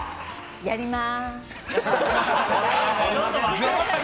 やりまーす。